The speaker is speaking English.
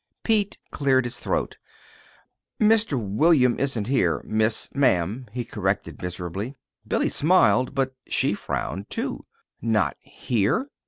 Pete cleared his throat. "Mr. William isn't here, Miss ma'am," he corrected miserably. Billy smiled, but she frowned, too. "Not here!